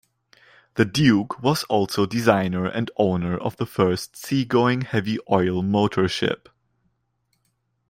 The Duke was also designer and owner of the first seagoing heavy oil motorship.